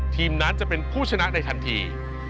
ทีมนั้นจะเป็นผู้ชนะในทันที